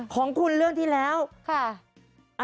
ของคุณเรื่องที่แล้วค่ะ